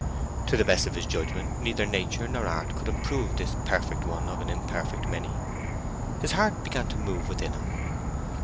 To the best of his judgement neither nature nor art could improve this perfect one of an imperfect many. His heart began to move within him.